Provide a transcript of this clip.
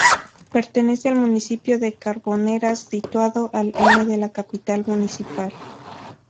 Pertenece al municipio de Carboneras, situado al N de la capital municipal.